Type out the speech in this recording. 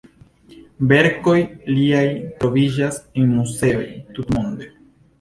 Verkoj liaj troviĝas en muzeoj tutmonde.